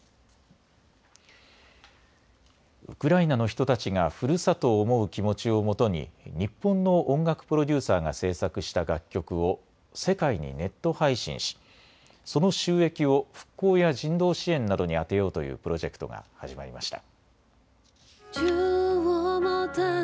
ウクライナの人たちがふるさとを思う気持ちをもとに日本の音楽プロデューサーが制作した楽曲を世界にネット配信しその収益を復興や人道支援などに充てようというプロジェクトが始まりました。